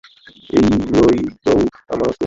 এই লউন আমার অস্ত্র।